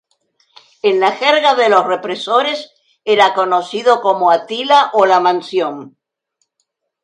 En la jerga de los represores era conocido como "Atila" o "La Mansión".